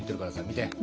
見て。